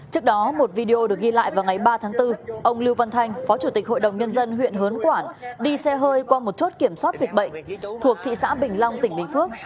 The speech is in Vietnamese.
trước đó một video được ghi lại vào ngày ba tháng bốn ông lưu văn thanh phó chủ tịch hội đồng nhân dân huyện hớn quản đi xe hơi qua một chốt kiểm soát dịch bệnh thuộc thị xã bình long tỉnh bình phước